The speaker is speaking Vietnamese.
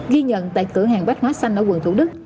ghi nhận tại cửa hàng bách hóa xanh ở quận thủ đức